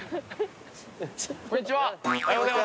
こんにちは。